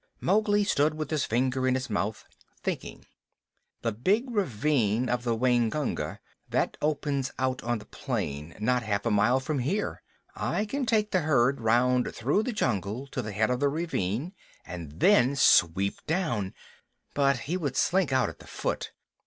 Mowgli stood with his finger in his mouth, thinking. "The big ravine of the Waingunga. That opens out on the plain not half a mile from here. I can take the herd round through the jungle to the head of the ravine and then sweep down but he would slink out at the foot.